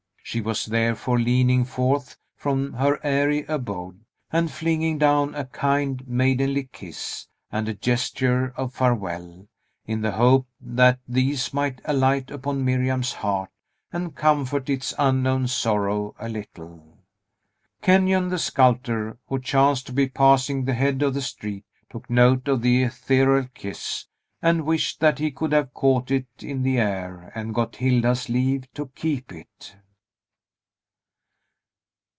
She was, therefore, leaning forth from her airy abode, and flinging down a kind, maidenly kiss, and a gesture of farewell, in the hope that these might alight upon Miriam's heart, and comfort its unknown sorrow a little. Kenyon the sculptor, who chanced to be passing the head of the street, took note of that ethereal kiss, and wished that he could have caught it in the air and got Hilda's leave to keep it.